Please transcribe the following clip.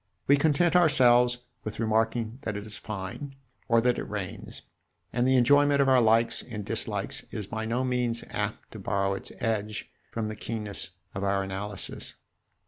We content ourselves with remarking that it is fine or that it rains, and the enjoyment of our likes and dislikes is by no means apt to borrow its edge from the keenness of our analysis.